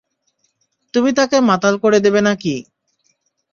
তুমি তাকে মাতাল করে দেবে নাকি?